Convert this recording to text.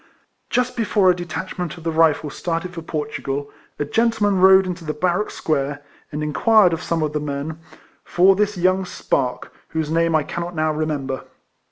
Just before a detach ment of the Rifles started for Portugal, a gentleman rode into the barrack square, and inquired of some of the men for this young spark, whose name I cannot now remember.